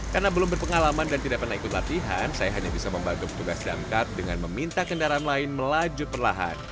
karena belum berpengalaman dan tidak pernah ikut latihan saya hanya bisa membagi tugas damkat dengan meminta kendaraan lain melaju perlahan